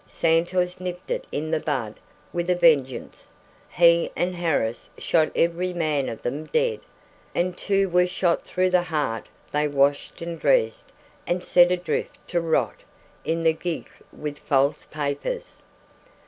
Santos nipped it in the bud with a vengeance! He and Harris shot every man of them dead, and two who were shot through the heart they washed and dressed and set adrift to rot in the gig with false papers!